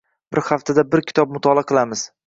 Bir haftada bir kitob mutolaa qilamiz.